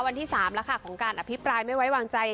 วันที่๓แล้วค่ะของการอภิปรายไม่ไว้วางใจ